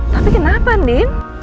tapi kenapa ndin